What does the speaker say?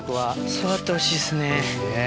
育ってほしいですね。